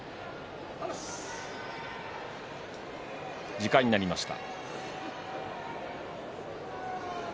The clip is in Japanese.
時間になりました。